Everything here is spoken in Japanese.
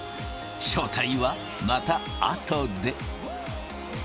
正体はまた後で。